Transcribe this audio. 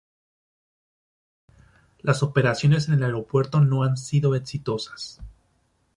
Las operaciones en el aeropuerto no han sido exitosas.